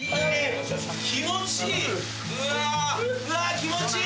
気持ちいい！